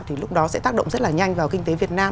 thì lúc đó sẽ tác động rất là nhanh vào kinh tế việt nam